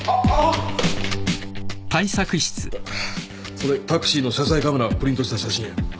それタクシーの車載カメラをプリントした写真や。